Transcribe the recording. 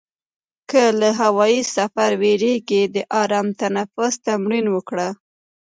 که له هوایي سفر وېرېږې، د آرام تنفس تمرین وکړه.